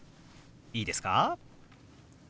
いいですか？